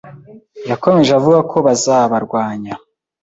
yakomeje avuga ko bazabarwanya